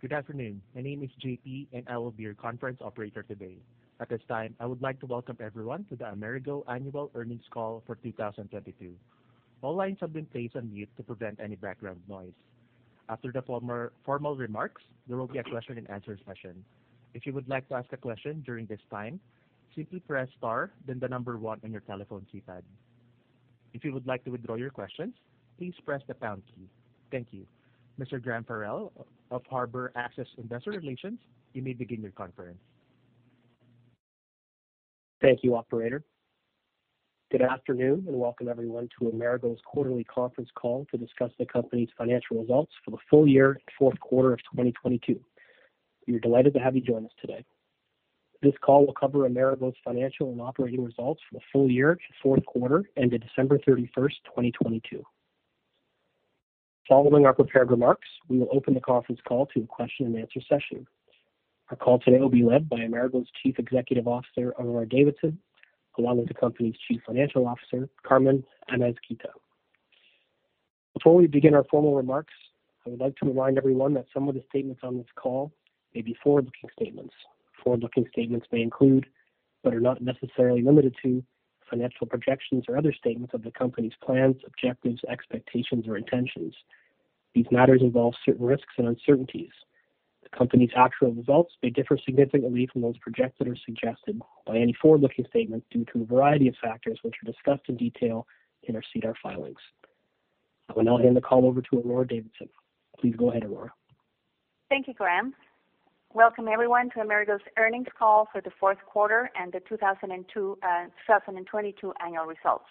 Good afternoon. My name is J.P., and I will be your conference operator today. At this time, I would like to welcome everyone to the Amerigo annual earnings call for 2022. All lines have been placed on mute to prevent any background noise. After the formal remarks, there will be a question-and-answer session. If you would like to ask a question during this time, simply press star, then the number one on your telephone keypad. If you would like to withdraw your questions, please press the pound key. Thank you. Mr. Graham Farrell of Harbor Access Investor Relations, you may begin your conference. Thank you, operator. Good afternoon. Welcome everyone to Amerigo's quarterly conference call to discuss the company's financial results for the full year and fourth quarter of 2022. We're delighted to have you join us today. This call will cover Amerigo's financial and operating results for the full year to fourth quarter ended December 31st, 2022. Following our prepared remarks, we will open the conference call to a question-and-answer session. Our call today will be led by Amerigo's Chief Executive Officer, Aurora Davidson, along with the company's Chief Financial Officer, Carmen Amezquita. Before we begin our formal remarks, I would like to remind everyone that some of the statements on this call may be forward-looking statements. Forward-looking statements may include, but are not necessarily limited to financial projections or other statements of the company's plans, objectives, expectations, or intentions. These matters involve certain risks and uncertainties. The company's actual results may differ significantly from those projected or suggested by any forward-looking statements due to a variety of factors which are discussed in detail in our SEDAR filings. I will now hand the call over to Aurora Davidson. Please go ahead, Aurora. Thank you, Graham. Welcome everyone to Amerigo's earnings call for the fourth quarter and the 2022 annual results.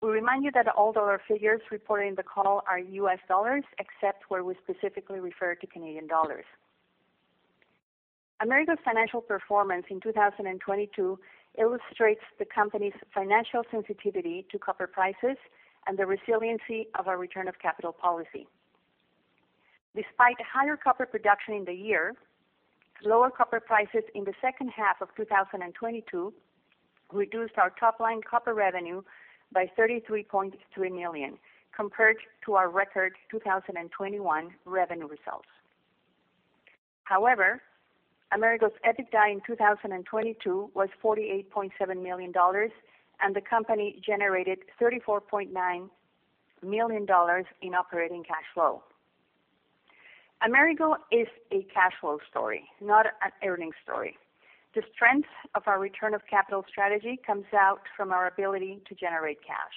We remind you that all dollar figures reported in the call are US dollars, except where we specifically refer to Canadian dollars. Amerigo's financial performance in 2022 illustrates the company's financial sensitivity to copper prices and the resiliency of our return of capital policy. Despite higher copper production in the year, lower copper prices in the second half of 2022 reduced our top-line copper revenue by $33.3 million compared to our record 2021 revenue results. Amerigo's EBITDA in 2022 was $48.7 million, and the company generated $34.9 million in operating cash flow. Amerigo is a cash flow story, not an earnings story. The strength of our return of capital strategy comes out from our ability to generate cash.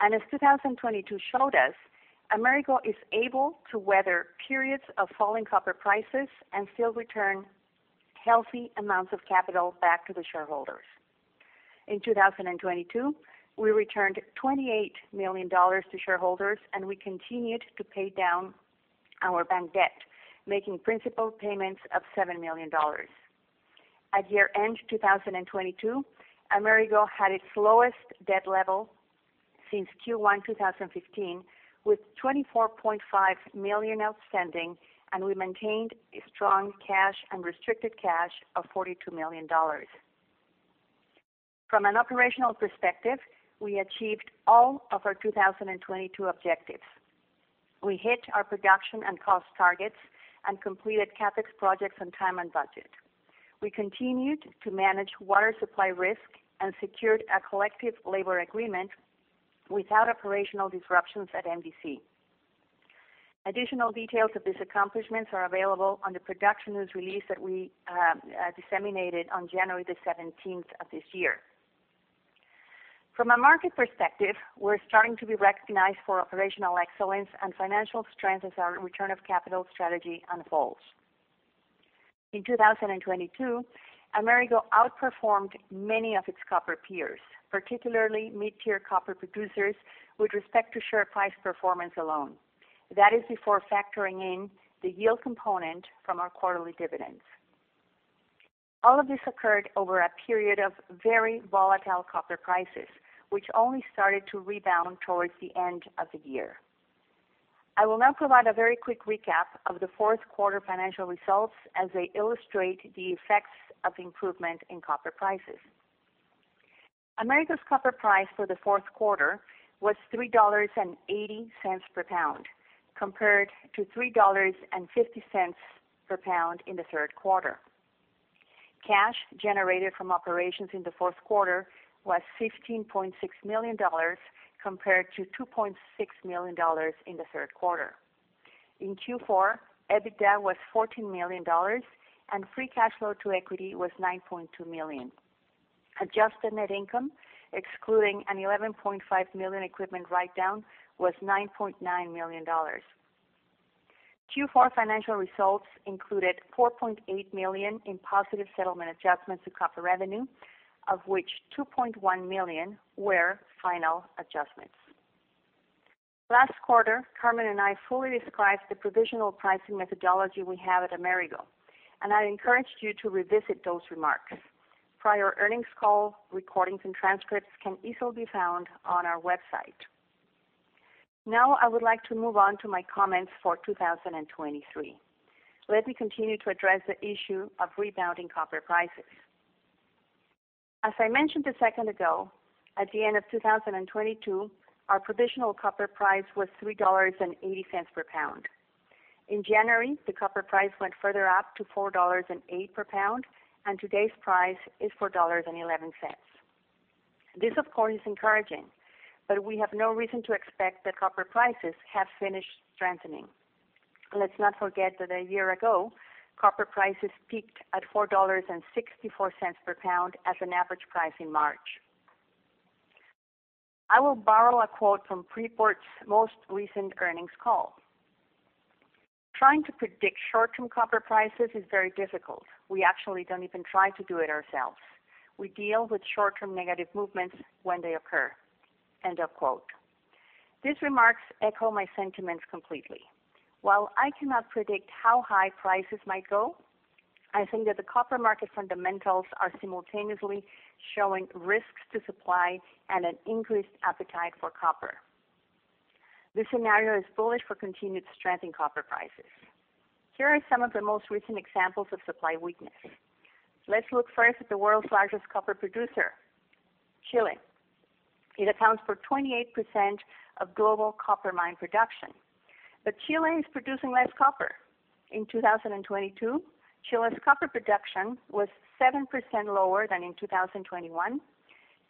As 2022 showed us, Amerigo is able to weather periods of falling copper prices and still return healthy amounts of capital back to the shareholders. In 2022, we returned $28 million to shareholders, and we continued to pay down our bank debt, making principal payments of $7 million. At year-end 2022, Amerigo had its lowest debt level since Q1 2015, with $24.5 million outstanding, and we maintained a strong cash and restricted cash of $42 million. From an operational perspective, we achieved all of our 2022 objectives. We hit our production and cost targets and completed CapEx projects on time and budget. We continued to manage water supply risk and secured a collective labor agreement without operational disruptions at MVC. Additional details of these accomplishments are available on the production news release that we disseminated on January 17th of this year. From a market perspective, we're starting to be recognized for operational excellence and financial strength as our return of capital strategy unfolds. In 2022, Amerigo outperformed many of its copper peers, particularly mid-tier copper producers, with respect to share price performance alone. That is before factoring in the yield component from our quarterly dividends. All of this occurred over a period of very volatile copper prices, which only started to rebound towards the end of the year. I will now provide a very quick recap of the fourth quarter financial results as they illustrate the effects of improvement in copper prices. Amerigo's copper price for the fourth quarter was $3.80 per pound, compared to $3.50 per pound in the third quarter. Cash generated from operations in the fourth quarter was $15.6 million, compared to $2.6 million in the third quarter. In Q4, EBITDA was $14 million, and free cash flow to equity was $9.2 million. Adjusted net income, excluding an $11.5 million equipment write-down, was $9.9 million. Q4 financial results included $4.8 million in positive settlement adjustments to copper revenue, of which $2.1 million were final adjustments. Last quarter, Carmen and I fully described the provisional pricing methodology we have at Amerigo, and I encourage you to revisit those remarks. Prior earnings call recordings and transcripts can easily be found on our website. I would like to move on to my comments for 2023. Let me continue to address the issue of rebounding copper prices. As I mentioned a second ago, at the end of 2022, our provisional copper price was $3.80 per pound. In January, the copper price went further up to $4.08 per pound, and today's price is $4.11. This, of course, is encouraging, but we have no reason to expect that copper prices have finished strengthening. Let's not forget that a year ago, copper prices peaked at $4.64 per pound as an average price in March. I will borrow a quote from Freeport's most recent earnings call. Trying to predict short-term copper prices is very difficult. We actually don't even try to do it ourselves. We deal with short-term negative movements when they occur. End of quote. These remarks echo my sentiments completely. While I cannot predict how high prices might go, I think that the copper market fundamentals are simultaneously showing risks to supply and an increased appetite for copper. This scenario is bullish for continued strength in copper prices. Here are some of the most recent examples of supply weakness. Let's look first at the world's largest copper producer, Chile. It accounts for 28% of global copper mine production. Chile is producing less copper. In 2022, Chile's copper production was 7% lower than in 2021,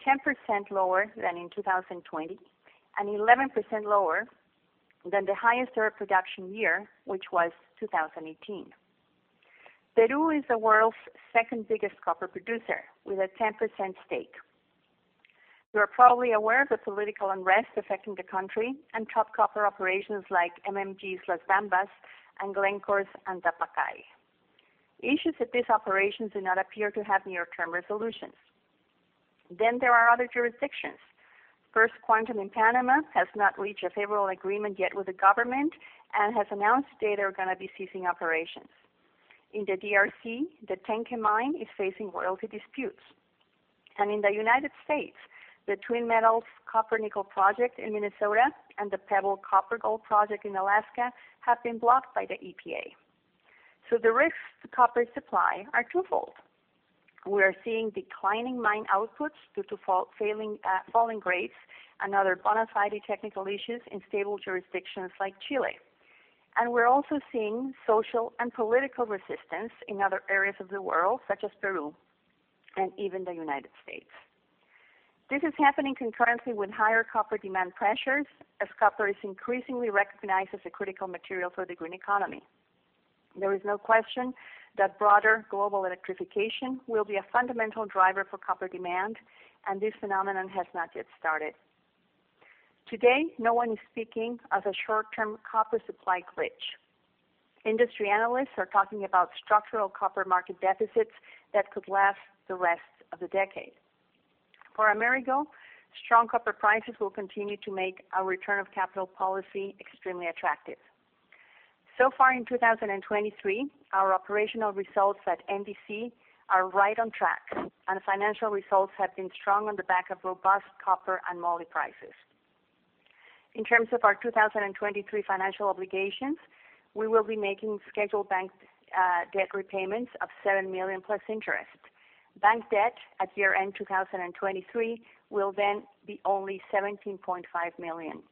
10% lower than in 2020, and 11% lower than the highest ever production year, which was 2018. Peru is the world's second biggest copper producer with a 10% stake. You are probably aware of the political unrest affecting the country and top copper operations like MMG's Las Bambas and Glencore's Antamina. Issues at these operations do not appear to have near-term resolutions. There are other jurisdictions. First Quantum in Panama has not reached a favorable agreement yet with the government and has announced they are going to be ceasing operations. In the DRC, the Tenke mine is facing royalty disputes. In the United States, the Twin Metals copper nickel project in Minnesota and the Pebble copper gold project in Alaska have been blocked by the EPA. The risks to copper supply are twofold. We are seeing declining mine outputs due to falling grades and other bona fide technical issues in stable jurisdictions like Chile. We're also seeing social and political resistance in other areas of the world, such as Peru and even the United States. This is happening concurrently with higher copper demand pressures as copper is increasingly recognized as a critical material for the green economy. There is no question that broader global electrification will be a fundamental driver for copper demand, and this phenomenon has not yet started. Today, no one is speaking of a short-term copper supply glitch. Industry analysts are talking about structural copper market deficits that could last the rest of the decade. For Amerigo, strong copper prices will continue to make our return of capital policy extremely attractive. Far in 2023, our operational results at MVC are right on track, and financial results have been strong on the back of robust copper and moly prices. In terms of our 2023 financial obligations, we will be making scheduled bank debt repayments of $7 million plus interest. Bank debt at year-end 2023 will then be only $17.5 million.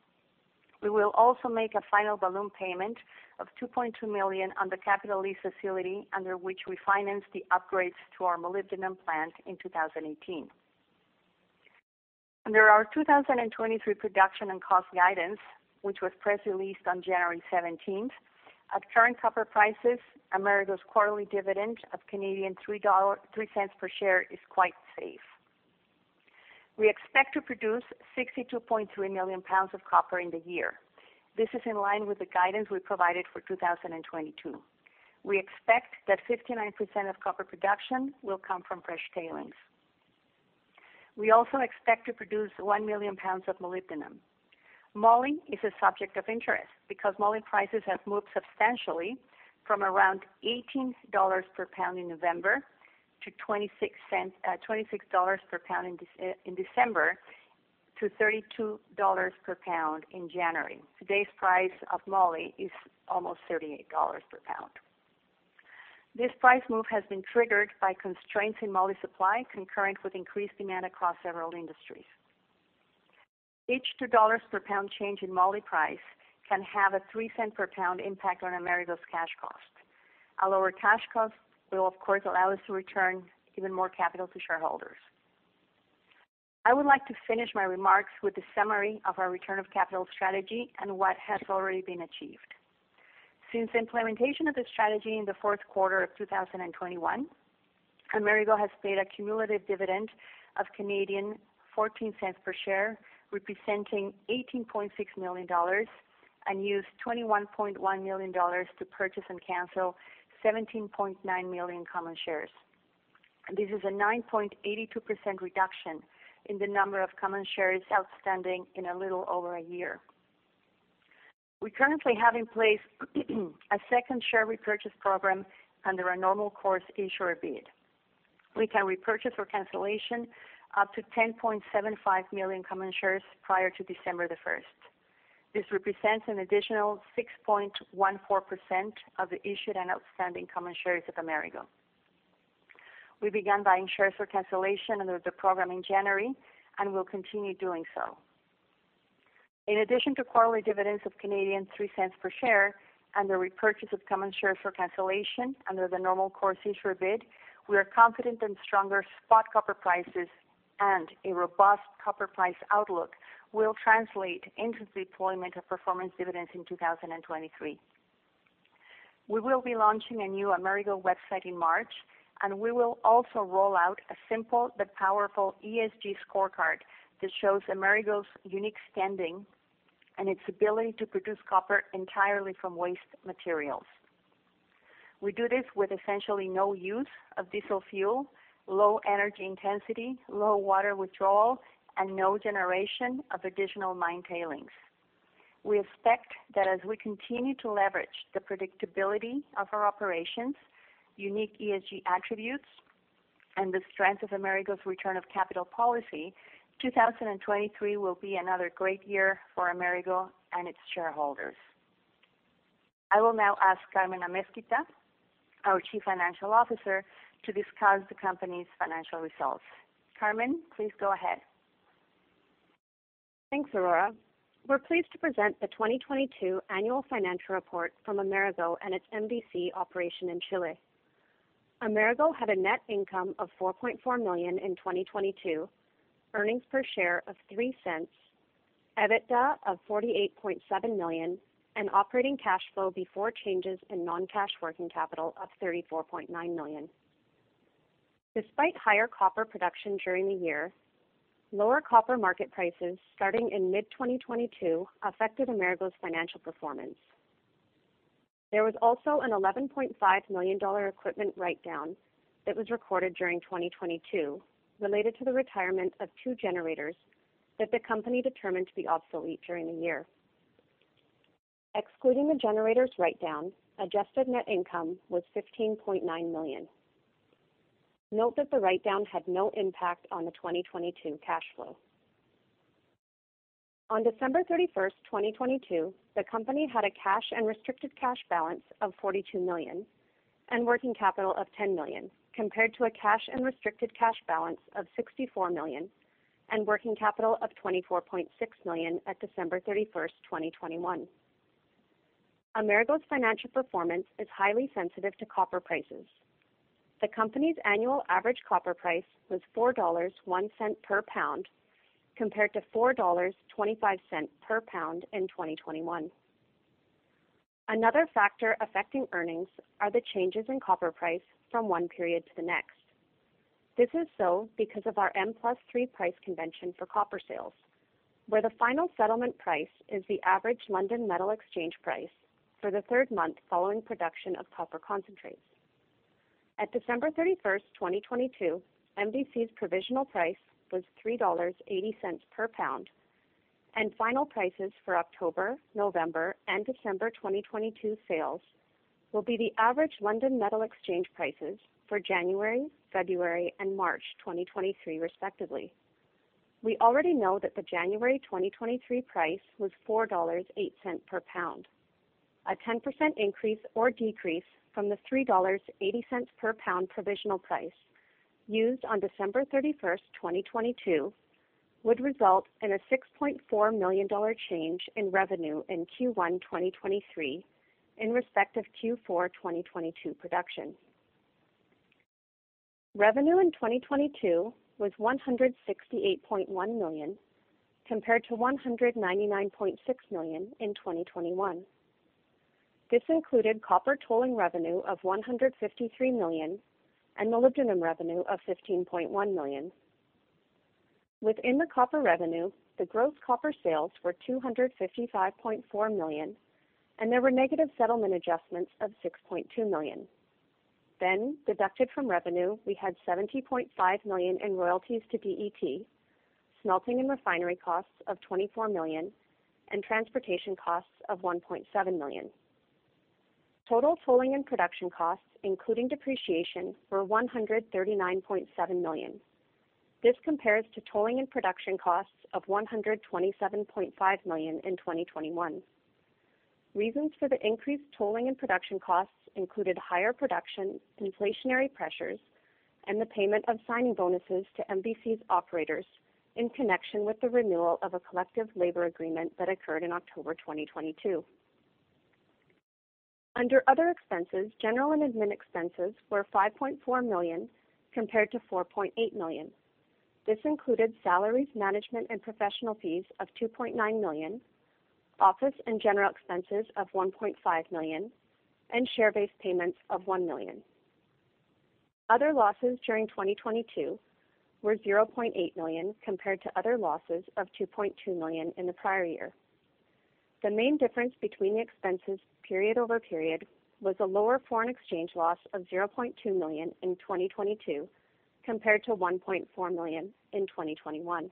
We will also make a final balloon payment of $2.2 million on the capital lease facility under which we financed the upgrades to our molybdenum plant in 2018. Under our 2023 production and cost guidance, which was press released on January 17, at current copper prices, Amerigo's quarterly dividend of 0.03 per share is quite safe. We expect to produce 62.3 million pounds of copper in the year. This is in line with the guidance we provided for 2022. We expect that 59% of copper production will come from fresh tailings. We also expect to produce 1 million pounds of molybdenum. Moly is a subject of interest because moly prices have moved substantially from around $18 per pound in November to $0.26, $26 per pound in December, to $32 per pound in January. Today's price of moly is almost $38 per pound. This price move has been triggered by constraints in moly supply, concurrent with increased demand across several industries. Each $2 per pound change in moly price can have a $0.03 per pound impact on Amerigo's cash cost. A lower cash cost will, of course, allow us to return even more capital to shareholders. I would like to finish my remarks with a summary of our return of capital strategy and what has already been achieved. Since implementation of the strategy in the fourth quarter of 2021, Amerigo has paid a cumulative dividend of 0.14 per share, representing $18.6 million, and used $21.1 million to purchase and cancel 17.9 million common shares. This is a 9.82% reduction in the number of common shares outstanding in a little over a year. We currently have in place a second share repurchase program under our normal course issuer bid. We can repurchase for cancellation up to 10.75 million common shares prior to December 1st. This represents an additional 6.14% of the issued and outstanding common shares of Amerigo. We began buying shares for cancellation under the program in January, and we'll continue doing so. In addition to quarterly dividends of 0.03 per share and the repurchase of common shares for cancellation under the normal course issuer bid, we are confident that stronger spot copper prices and a robust copper price outlook will translate into the deployment of performance dividends in 2023. We will be launching a new Amerigo website in March, and we will also roll out a simple but powerful ESG scorecard that shows Amerigo's unique standing and its ability to produce copper entirely from waste materials. We do this with essentially no use of diesel fuel, low energy intensity, low water withdrawal, and no generation of additional mine tailings. We expect that as we continue to leverage the predictability of our operations, unique ESG attributes, and the strength of Amerigo's return of capital policy, 2023 will be another great year for Amerigo and its shareholders. I will now ask Carmen Amezquita, our Chief Financial Officer, to discuss the company's financial results. Carmen, please go ahead. Thanks, Aurora. We're pleased to present the 2022 annual financial report from Amerigo and its MVC operation in Chile. Amerigo had a net income of $4.4 million in 2022, earnings per share of $0.03, EBITDA of $48.7 million, and operating cash flow before changes in non-cash working capital of $34.9 million. Despite higher copper production during the year, lower copper market prices starting in mid-2022 affected Amerigo's financial performance. There was also an $11.5 million equipment write-down that was recorded during 2022 related to the retirement of two generators that the company determined to be obsolete during the year. Excluding the generator's write-down, adjusted net income was $15.9 million. Note that the write-down had no impact on the 2022 cash flow. On December 31, 2022, the company had a cash and restricted cash balance of $42 million and working capital of $10 million, compared to a cash and restricted cash balance of $64 million and working capital of $24.6 million at December 31, 2021. Amerigo's financial performance is highly sensitive to copper prices. The company's annual average copper price was $4.01 per pound, compared to $4.25 per pound in 2021. Another factor affecting earnings are the changes in copper price from one period to the next. This is so because of our M plus three price convention for copper sales, where the final settlement price is the average London Metal Exchange price for the third month following production of copper concentrates. At December 31st, 2022, MVC's provisional price was $3.80 per pound. Final prices for October, November, and December 2022 sales will be the average London Metal Exchange prices for January, February, and March 2023, respectively. We already know that the January 2023 price was $4.08 per pound. A 10% increase or decrease from the $3.80 per pound provisional price used on December 31st, 2022, would result in a $6.4 million change in revenue in Q1, 2023 in respect of Q4, 2022 production. Revenue in 2022 was $168.1 million, compared to $199.6 million in 2021. This included copper tolling revenue of $153 million and molybdenum revenue of $15.1 million. Within the copper revenue, the gross copper sales were $255.4 million, and there were negative settlement adjustments of $6.2 million. Deducted from revenue, we had $70.5 million in royalties to DET, smelting and refinery costs of $24 million, and transportation costs of $1.7 million. Total tolling and production costs, including depreciation, were $139.7 million. This compares to tolling and production costs of $127.5 million in 2021. Reasons for the increased tolling and production costs included higher production, inflationary pressures, and the payment of signing bonuses to MVC's operators in connection with the renewal of a collective labor agreement that occurred in October 2022. Under other expenses, general and admin expenses were $5.4 million, compared to $4.8 million. This included salaries, management, and professional fees of $2.9 million, office and general expenses of $1.5 million, and share-based payments of $1 million. Other losses during 2022 were $0.8 million, compared to other losses of $2.2 million in the prior year. The main difference between the expenses period-over-period was a lower foreign exchange loss of $0.2 million in 2022, compared to $1.4 million in 2021.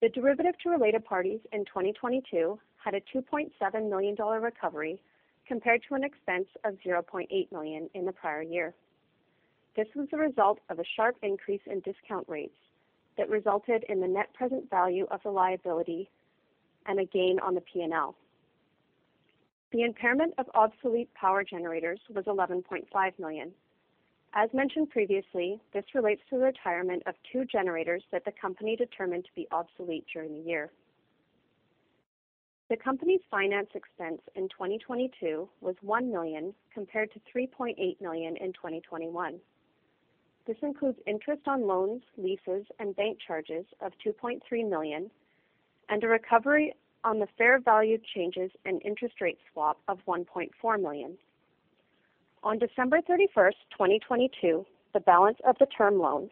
The derivative to related parties in 2022 had a $2.7 million recovery, compared to an expense of $0.8 million in the prior year. This was the result of a sharp increase in discount rates that resulted in the net present value of the liability and a gain on the P&L. The impairment of obsolete power generators was $11.5 million. As mentioned previously, this relates to the retirement of two generators that the company determined to be obsolete during the year. The company's finance expense in 2022 was $1 million compared to $3.8 million in 2021. This includes interest on loans, leases, and bank charges of $2.3 million and a recovery on the fair value changes in interest rate swap of $1.4 million. On December 31st, 2022, the balance of the term loan,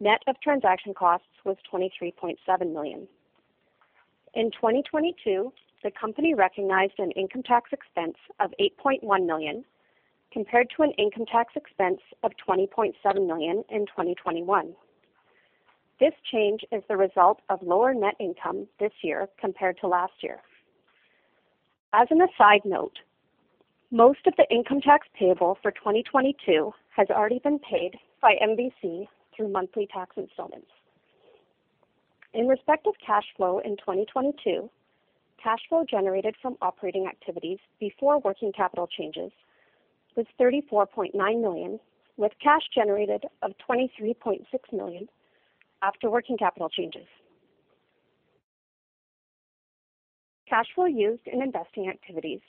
net of transaction costs was $23.7 million. In 2022, the company recognized an income tax expense of $8.1 million compared to an income tax expense of $20.7 million in 2021. This change is the result of lower net income this year compared to last year. As an aside note, most of the income tax payable for 2022 has already been paid by MVC through monthly tax installments. In respect of cash flow in 2022, cash flow generated from operating activities before working capital changes was $34.9 million, with cash generated of $23.6 million after working capital changes. Cash flow used in investing activities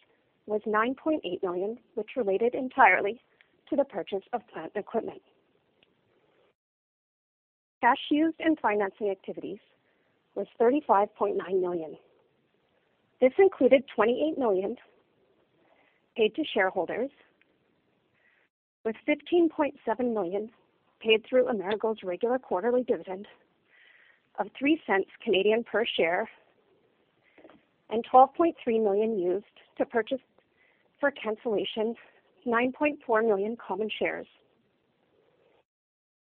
was $9.8 million, which related entirely to the purchase of plant equipment. Cash used in financing activities was $35.9 million. This included $28 million paid to shareholders, with $15.7 million paid through Amerigo's regular quarterly dividend of 0.03 per share and $12.3 million used to purchase for cancellation 9.4 million common shares.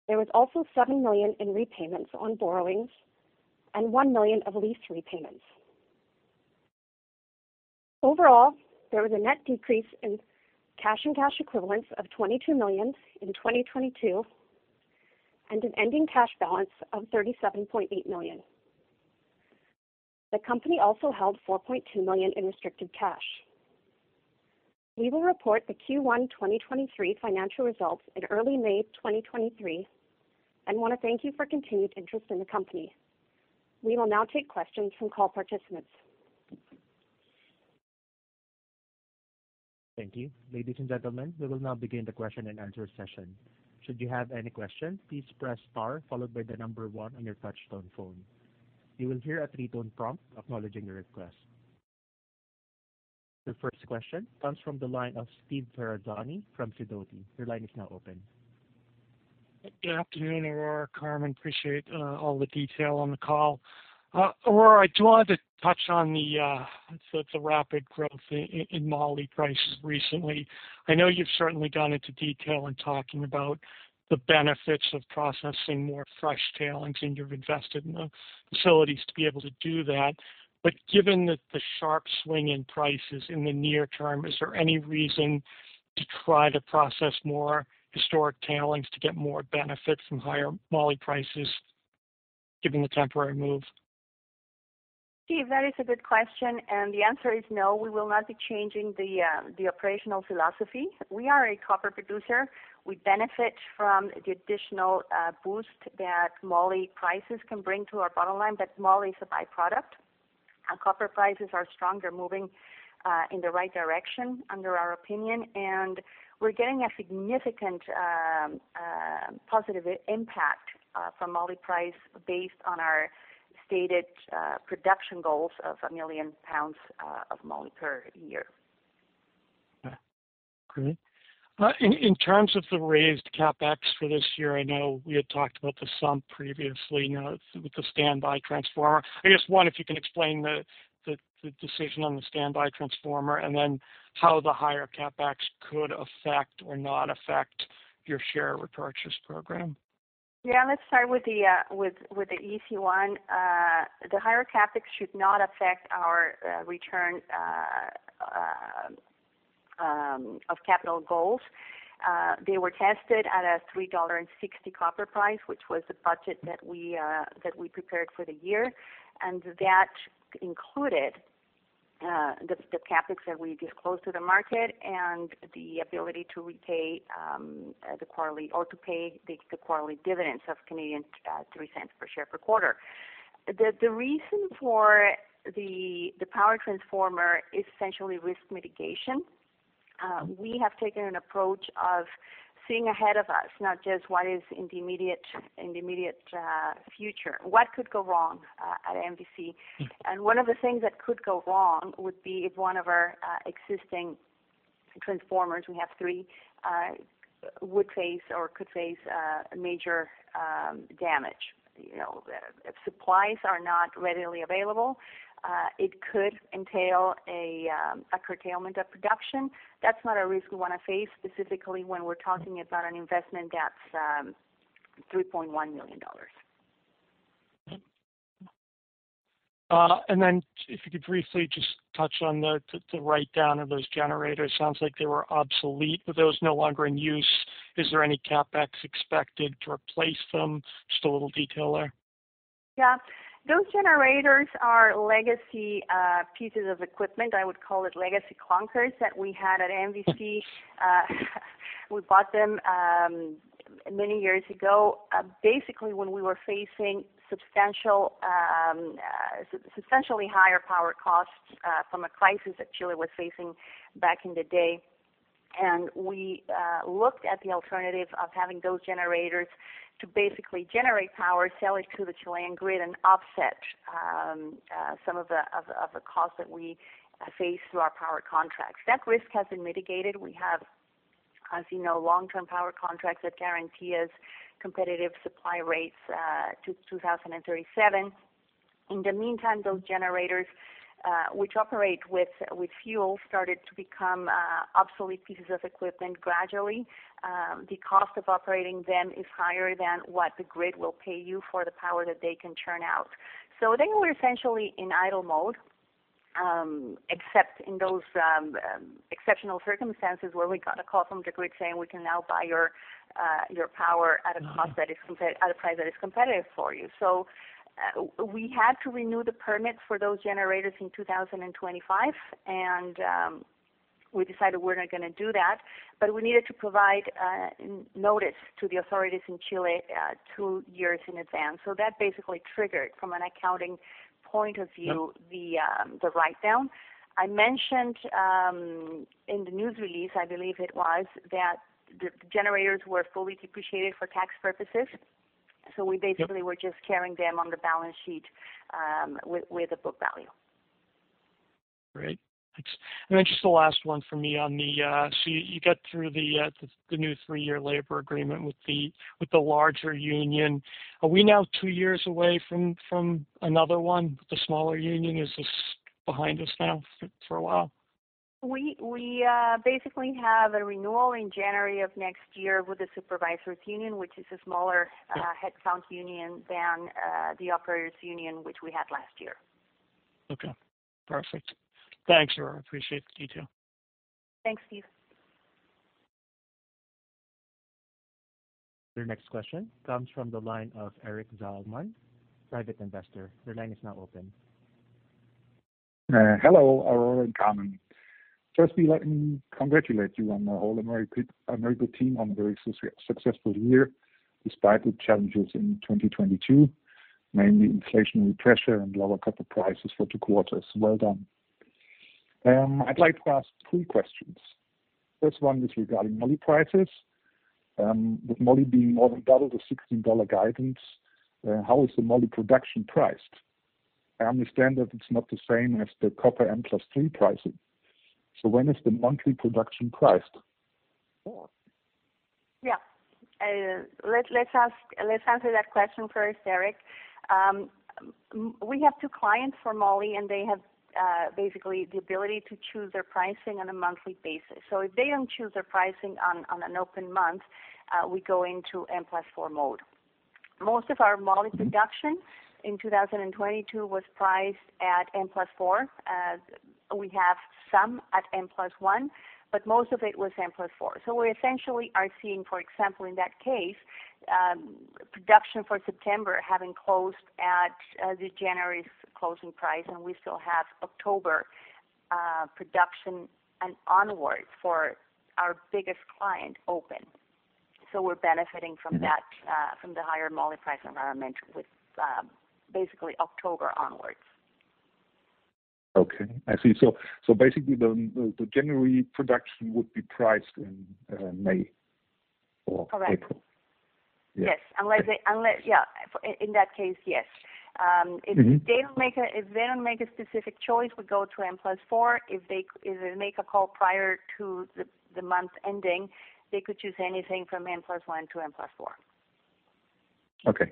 There was also $7 million in repayments on borrowings and $1 million of lease repayments. Overall, there was a net decrease in cash and cash equivalents of $22 million in 2022 and an ending cash balance of $37.8 million. The company also held $4.2 million in restricted cash. We will report the Q1 2023 financial results in early May 2023 and wanna thank you for continued interest in the company. We will now take questions from call participants. Thank you. Ladies and gentlemen, we will now begin the question-and-answer session. Should you have any question, please press star followed by one on your touchtone phone. You will hear a three-tone prompt acknowledging your request. Your first question comes from the line of Steve Ferazani from Sidoti. Your line is now open. Good afternoon, Aurora, Carmen. Appreciate all the detail on the call. Aurora, I do want to touch on the rapid growth in moly prices recently. I know you've certainly gone into detail in talking about the benefits of processing more fresh tailings, and you've invested in the facilities to be able to do that. Given the sharp swing in prices in the near term, is there any reason to try to process more historic tailings to get more benefits from higher moly prices given the temporary move? Steve, that is a good question. The answer is no. We will not be changing the operational philosophy. We are a copper producer. We benefit from the additional boost that moly prices can bring to our bottom line, but moly is a by-product. Our copper prices are stronger, moving in the right direction under our opinion, and we're getting a significant positive impact from moly price based on our stated production goals of 1 million pounds of moly per year. Okay, great. in terms of the raised CapEx for this year, I know we had talked about the sum previously, you know, with the standby transformer. I guess, one, if you can explain the decision on the standby transformer, and then how the higher CapEx could affect or not affect your share repurchase program. Yeah, let's start with the easy one. The higher CapEx should not affect our return of capital goals. They were tested at a $3.60 copper price, which was the budget that we prepared for the year. That included the CapEx that we disclosed to the market and the ability to repay or to pay the quarterly dividends of Canadian 0.03 per share per quarter. The reason for the power transformer is essentially risk mitigation. We have taken an approach of seeing ahead of us, not just what is in the immediate future. What could go wrong at MVC? One of the things that could go wrong would be if one of our existing transformers, we have three, would face or could face major damage. You know, if supplies are not readily available, it could entail a curtailment of production. That's not a risk we wanna face, specifically when we're talking about an investment that's $3.1 million. Then if you could briefly just touch on the, the write-down of those generators. Sounds like they were obsolete. Were those no longer in use? Is there any CapEx expected to replace them? Just a little detail there. Yeah. Those generators are legacy pieces of equipment. I would call it legacy clunkers that we had at MVC. We bought them many years ago, basically when we were facing substantially higher power costs from a crisis that Chile was facing back in the day. We looked at the alternative of having those generators to basically generate power, sell it to the Chilean grid, and offset some of the costs that we face through our power contracts. That risk has been mitigated. We have, as you know, long-term power contracts that guarantee us competitive supply rates to 2037. In the meantime, those generators, which operate with fuel, started to become obsolete pieces of equipment gradually. The cost of operating them is higher than what the grid will pay you for the power that they can churn out. They were essentially in idle mode, except in those exceptional circumstances where we got a call from the grid saying, "We can now buy your power at a price that is competitive for you." We had to renew the permits for those generators in 2025, and we decided we're not gonna do that. We needed to provide notice to the authorities in Chile, two years in advance. That basically triggered, from an accounting point of view. Yep. The write-down. I mentioned, in the news release, I believe it was, that the generators were fully depreciated for tax purposes. Yep. We basically were just carrying them on the balance sheet, with a book value. Great. Thanks. Then just the last one for me on the. You got through the new three year labor agreement with the larger union. Are we now two years away from another one with the smaller union? Is this behind us now for a while? We basically have a renewal in January of next year with the supervisors union, which is a smaller-. Yeah. Headcount union than the operators union, which we had last year. Okay. Perfect. Thanks, Aurora. Appreciate the detail. Thanks, Steve. Your next question comes from the line of Eric Zaalman, private investor. Your line is now open. Hello, Aurora and Carmen. First, we'd like congratulate you on the whole Amerigo team on a very successful year despite the challenges in 2022, mainly inflationary pressure and lower copper prices for two quarters. Well done. I'd like to ask three questions. First one is regarding moly prices. With moly being more than double the $16 guidance, how is the moly production priced? I understand that it's not the same as the copper M plus three pricing. When is the moly production priced? Let's answer that question first, Eric. We have two clients for moly, and they have basically the ability to choose their pricing on a monthly basis. If they don't choose their pricing on an open month, we go into M plus four mode. Most of our moly production in 2022 was priced at M plus four. We have some at M plus one, but most of it was M plus four. We essentially are seeing, for example, in that case, production for September having closed at the January's closing price, and we still have October production and onwards for our biggest client open. We're benefiting from that, from the higher moly price environment with basically October onwards. Okay, I see. Basically the January production would be priced in May or April. Correct. Yeah. Yes. Unless... Yeah. In that case, yes. Mm-hmm. If they don't make a specific choice, we go to M plus four. If they make a call prior to the month ending, they could choose anything from M plus one to M plus four. Okay.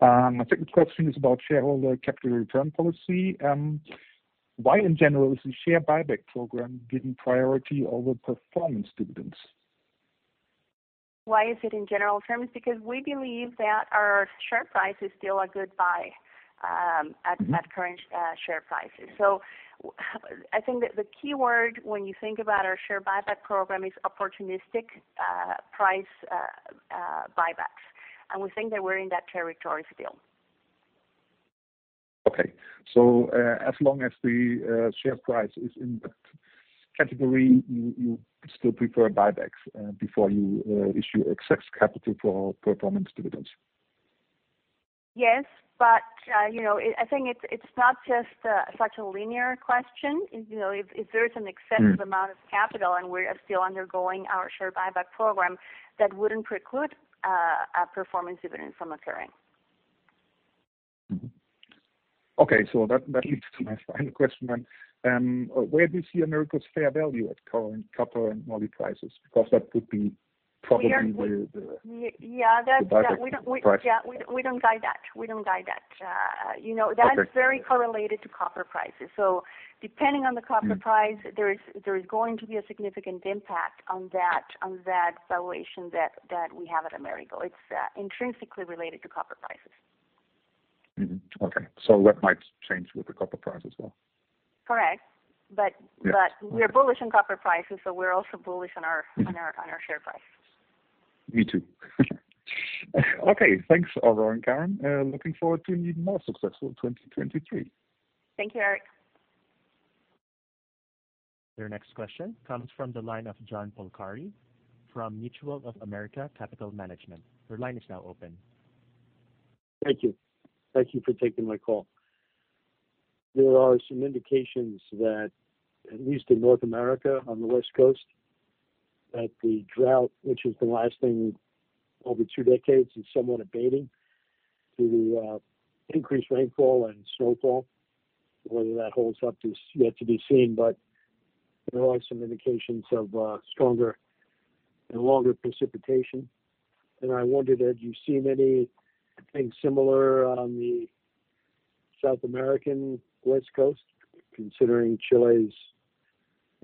My second question is about shareholder capital return policy. Why in general is the share buyback program given priority over performance dividends? Why is it in general terms? We believe that our share price is still a good buy. Mm-hmm. At current share prices. I think that the key word when you think about our share buyback program is opportunistic price buybacks. We think that we're in that territory still. Okay. As long as the share price is in that category, you still prefer buybacks before you issue excess capital for performance dividends? Yes, you know, it, I think it's not just such a linear question. You know, if there's an excessive... Mm-hmm. Amount of capital and we are still undergoing our share buyback program, that wouldn't preclude a performance dividend from occurring. Okay, that leads to my final question. Where do you see Amerigo's fair value at current copper and moly prices? We are. the buyback price. Yeah, that's, we don't guide that. We don't guide that. You know. Okay. That's very correlated to copper prices. depending on the copper price. Mm-hmm. There is going to be a significant impact on that valuation that we have at Amerigo. It's intrinsically related to copper prices. Okay. That might change with the copper price as well. Correct. We are bullish in copper prices, so we're also bullish on our share price. Me too. Okay, thanks, Aurora and Carmen. Looking forward to an even more successful 2023. Thank you, Eric. Your next question comes from the line of John Polcari from Mutual of America Capital Management. Your line is now open. Thank you. Thank you for taking my call. There are some indications that, at least in North America on the West Coast, that the drought, which has been lasting over two decades, is somewhat abating through increased rainfall and snowfall. Whether that holds up is yet to be seen, but there are some indications of stronger and longer precipitation. I wondered, have you seen anything similar on the South American West Coast, considering Chile's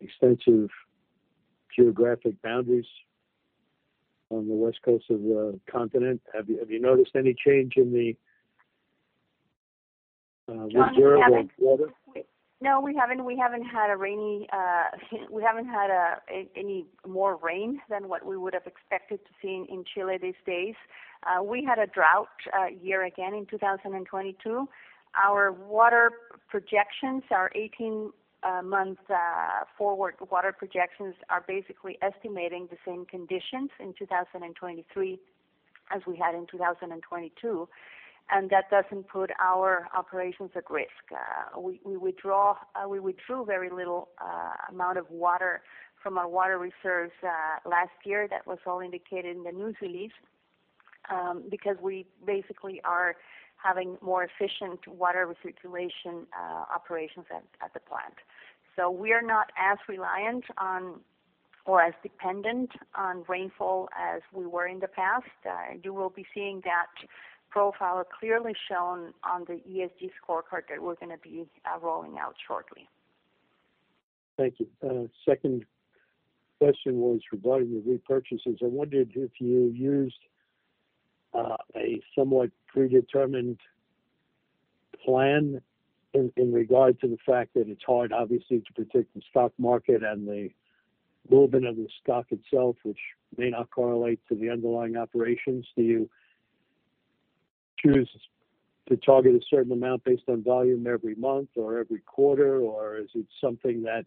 extensive geographic boundaries on the west coast of the continent? Have you noticed any change in the reserve of water? John, we haven't. No, we haven't. We haven't had a rainy, we haven't had any more rain than what we would have expected to see in Chile these days. We had a drought year again in 2022. Our water projections, our 18-month forward water projections are basically estimating the same conditions in 2023 as we had in 2022. That doesn't put our operations at risk. We, we withdraw, we withdrew very little amount of water from our water reserves last year. That was all indicated in the news release because we basically are having more efficient water recirculation operations at the plant. We are not as reliant on or as dependent on rainfall as we were in the past. You will be seeing that profile clearly shown on the ESG scorecard that we're gonna be rolling out shortly. Thank you. Second question was regarding the repurchases. I wondered if you used a somewhat predetermined plan in regard to the fact that it's hard, obviously, to predict the stock market and the movement of the stock itself, which may not correlate to the underlying operations. Do you choose to target a certain amount based on volume every month or every quarter? Or is it something that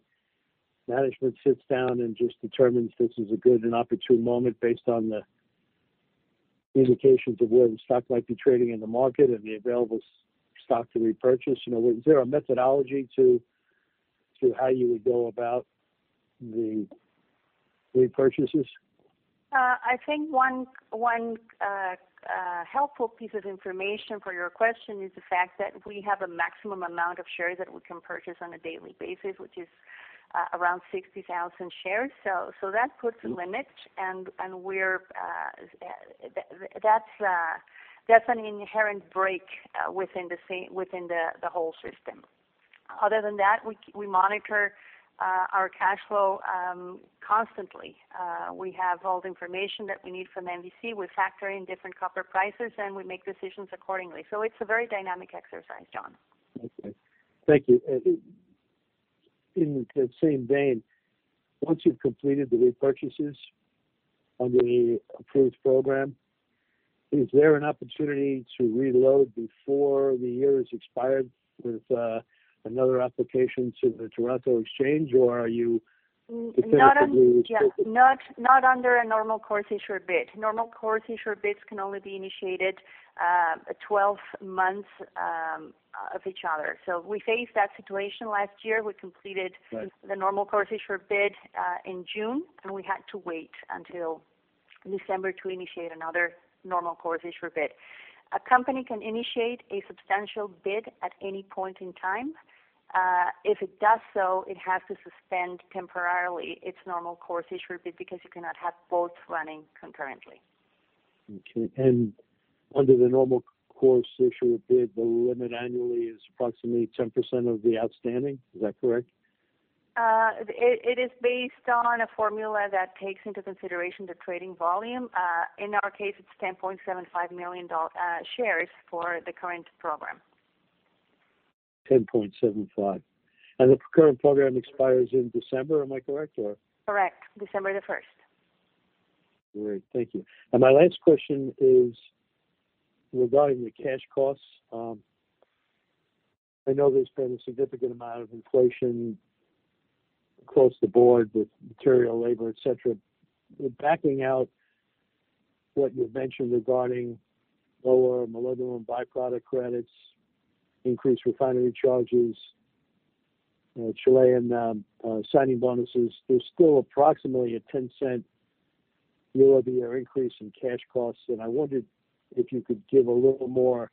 management sits down and just determines this is a good and opportune moment based on the indications of where the stock might be trading in the market and the available stock to repurchase? You know, is there a methodology to how you would go about the repurchases? I think one helpful piece of information for your question is the fact that we have a maximum amount of shares that we can purchase on a daily basis, which is around 60,000 shares. That puts a limit and we're that's an inherent break within the whole system. Other than that, we monitor our cash flow constantly. We have all the information that we need from MVC. We factor in different copper prices, and we make decisions accordingly. It's a very dynamic exercise, John. Okay. Thank you. In the same vein, once you've completed the repurchases under the approved program, is there an opportunity to reload before the year is expired with another application to the Toronto Exchange, or are you effectively restricted? Yeah. Not under a normal course issuer bid. Normal course issuer bids can only be initiated 12-months of each other. We faced that situation last year. We completed. Right. the normal course issuer bid, in June, and we had to wait until December to initiate another normal course issuer bid. A company can initiate a substantial bid at any point in time. If it does so, it has to suspend temporarily its normal course issuer bid because you cannot have both running concurrently. Okay. Under the normal course issuer bid, the limit annually is approximately 10% of the outstanding. Is that correct? It is based on a formula that takes into consideration the trading volume. In our case, it's 10.75 million shares for the current program. 10.75 million. The current program expires in December. Am I correct? Correct. December the first. Great. Thank you. My last question is regarding the cash costs. I know there's been a significant amount of inflation across the board with material, labor, et cetera. Backing out what you mentioned regarding lower molybdenum byproduct credits, increased refinery charges, Chilean signing bonuses, there's still approximately a $0.10 year-over-year increase in cash costs. I wondered if you could give a little more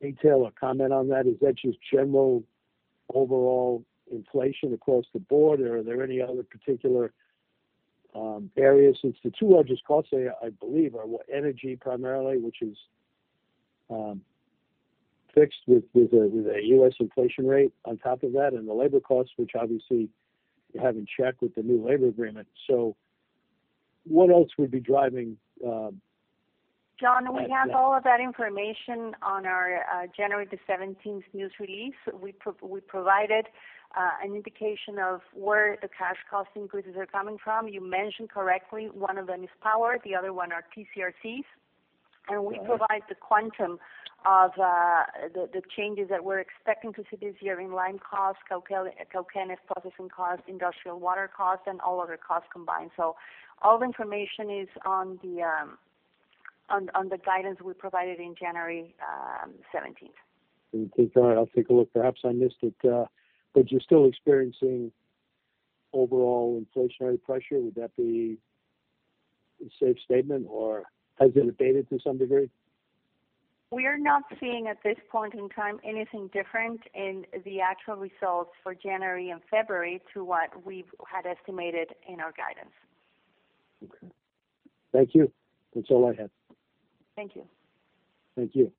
detail or comment on that. Is that just general overall inflation across the board, or are there any other particular areas? Since the two largest costs there, I believe, are energy primarily, which is fixed with a U.S. inflation rate on top of that, and the labor costs, which obviously you have in check with the new labor agreement. What else would be driving? John, we have all of that information on our, January 17th news release. We provided an indication of where the cash cost increases are coming from. You mentioned correctly, one of them is power, the other one are TC/RCs. Right. We provide the quantum of the changes that we're expecting to see this year in line costs, smelting processing costs, industrial water costs, and all other costs combined. All the information is on the guidance we provided in January 17th. Okay, got it. I'll take a look. You're still experiencing overall inflationary pressure. Would that be a safe statement, or has it abated to some degree? We are not seeing at this point in time anything different in the actual results for January and February to what we've had estimated in our guidance. Okay. Thank you. That's all I have. Thank you. Thank you.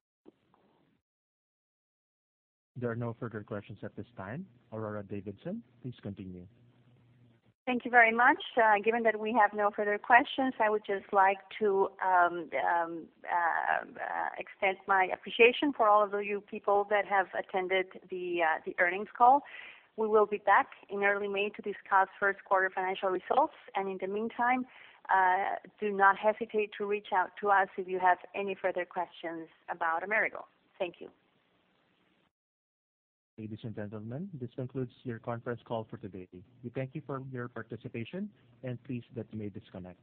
There are no further questions at this time. Aurora Davidson, please continue. Thank you very much. Given that we have no further questions, I would just like to extend my appreciation for all of you people that have attended the earnings call. We will be back in early May to discuss first quarter financial results. In the meantime, do not hesitate to reach out to us if you have any further questions about Amerigo. Thank you. Ladies and gentlemen, this concludes your conference call for today. We thank you for your participation, and please that you may disconnect.